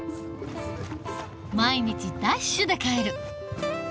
毎日ダッシュで帰る。